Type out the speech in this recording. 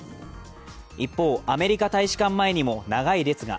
一方、アメリカ大使館前にも長い列が。